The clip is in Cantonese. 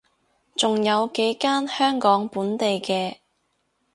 仲有幾間香港本地嘅